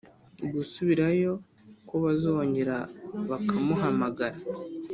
gusubirayo ko bazongera bakamuhamagara